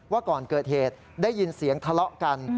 ก่อนเกิดเหตุได้ยินเสียงทะเลาะกัน